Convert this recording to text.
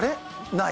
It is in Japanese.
ない。